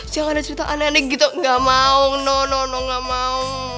jangan ada cerita aneh aneh gitu ga mau no no no ga mau